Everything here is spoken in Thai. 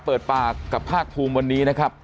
เปิดปากกับภาคภูมิวันนี้นะครับ